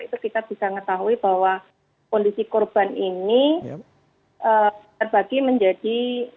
itu kita bisa mengetahui bahwa kondisi korban ini terbagi menjadi